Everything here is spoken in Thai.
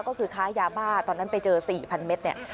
ก็คือค้ายาบ้าตอนนั้นไปเจอ๔๐๐เมตรเนี่ย